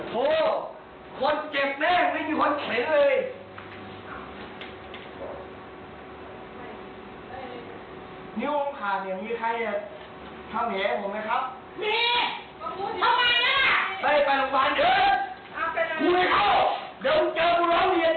ไปไปโรงพยาบาล